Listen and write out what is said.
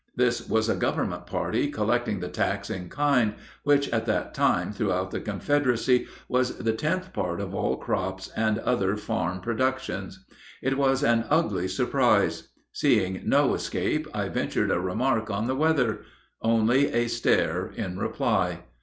This was a government party collecting the tax in kind, which at that time throughout the Confederacy was the tenth part of all crops and other farm productions. It was an ugly surprise. Seeing no escape, I ventured a remark on the weather: only a stare in reply.